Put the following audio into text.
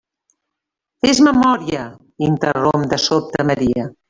Fes memòria —interromp de sobte Maria—.